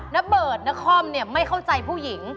น้าเบิร์ดน้าคอมไม่เข้าใจผู้หญิง